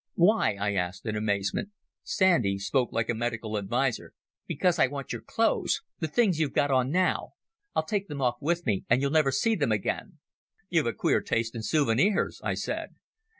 "Why?" I asked in amazement. Sandy spoke like a medical adviser. "Because I want your clothes—the things you've got on now. I'll take them off with me and you'll never see them again." "You've a queer taste in souvenirs," I said.